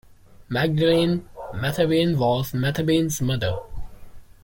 Magdalene Mathabane was Mathabane's mother.